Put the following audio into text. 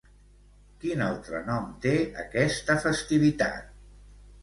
Quin altre nom té aquesta festivitat?